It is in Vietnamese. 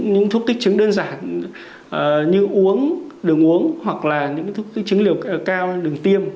những thuốc kích trứng đơn giản như uống đừng uống hoặc là những cái thuốc kích trứng liều cao đừng tiêm